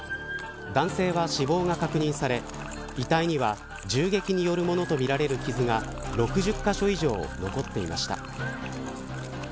男性は死亡が確認され遺体には銃撃によるものとみられる傷が６０カ所以上残っていました。